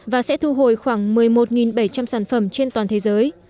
và sẽ thu hồi khoảng một mươi một bảy trăm linh sản phẩm trên toàn thế giới